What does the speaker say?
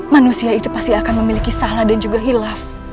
manusia itu pasti akan memiliki salah dan juga hilaf